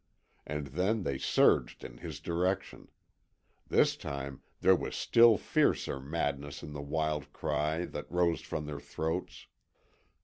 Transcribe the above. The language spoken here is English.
And then they surged in his direction; this time there was a still fiercer madness in the wild cry that rose from their throats.